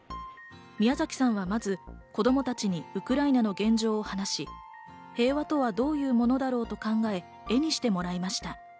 ミヤザキさんはまず、子供たちにウクライナの現状を話し、平和とはどういうものだろう？と考え、絵にしてもらいました。